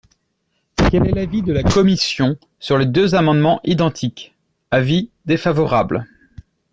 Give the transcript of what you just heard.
Quel est l’avis de la commission sur les deux amendements identiques ? Avis défavorable.